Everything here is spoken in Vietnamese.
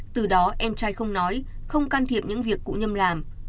từ đó em trai không nói không can thiệp những việc cụ nhâm làm